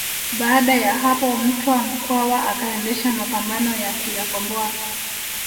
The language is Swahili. Baada ya hapo Mtwa Mkwawa akaendesha mapambano ya kuyakomboa